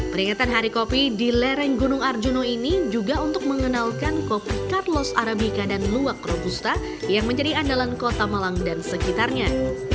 peringatan hari kopi di lereng gunung arjuna ini juga untuk mengenalkan kopi carlos arabica dan luwak robusta yang menjadi andalan kota malang dan sekitarnya